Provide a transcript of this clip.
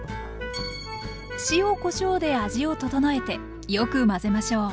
塩・こしょうで味を調えてよく混ぜましょう。